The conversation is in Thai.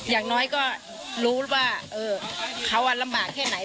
อย่างน้อยก็รู้ว่าเขาลำบากแค่ไหน